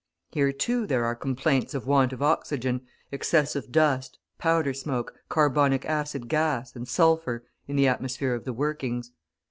Here, too, there are complaints of want of oxygen, excessive dust, powder smoke, carbonic acid gas, and sulphur, in the atmosphere of the workings.